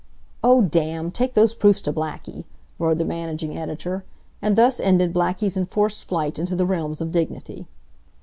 "Oh, damn! Take those proofs to Blackie!" roared the managing editor. And thus ended Blackie's enforced flight into the realms of dignity.